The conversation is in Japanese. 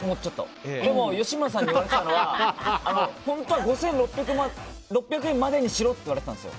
でも吉村さんに言われてたのは５６００円までにしろって言われてたんです。